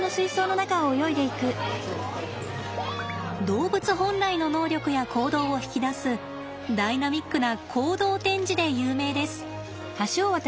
動物本来の能力や行動を引き出すダイナミックな行動展示で有名です。